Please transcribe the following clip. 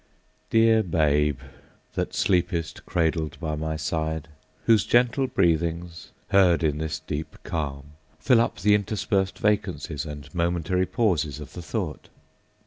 Dear Babe, that sleepest cradled by my side, Whose gentle breathings, heard in this deep calm, Fill up the interspersed vacancies And momentary pauses of the thought!